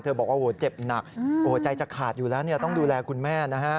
บอกว่าเจ็บหนักใจจะขาดอยู่แล้วต้องดูแลคุณแม่นะฮะ